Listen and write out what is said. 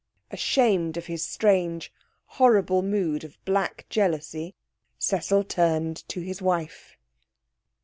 Ashamed of his strange, horrible mood of black jealousy, Cecil turned to his wife.